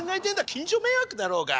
近所迷惑だろうが！